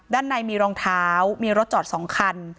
ด้านในมีรองเท้ามีรถจอด๒คัน